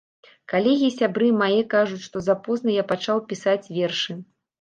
Калегі і сябры мае кажуць, што запозна я пачаў пісаць вершы.